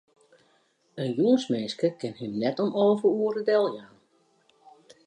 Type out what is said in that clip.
In jûnsminske kin him net om alve oere deljaan.